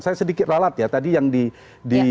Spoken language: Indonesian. saya sedikit lalat ya tadi yang dimuncul di layar itu